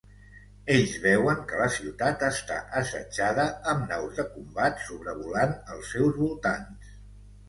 Ells veuen que la ciutat està assetjada amb naus de combat sobrevolant els seus voltants.